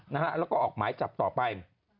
แล้วก็ออกหมายจับต่อไป